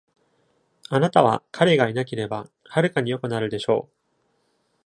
あなたは、彼がいなければ、はるかに良くなるでしょう。